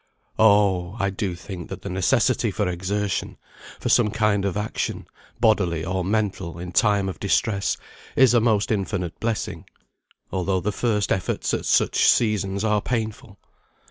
Oh! I do think that the necessity for exertion, for some kind of action (bodily or mental) in time of distress, is a most infinite blessing, although the first efforts at such seasons are painful.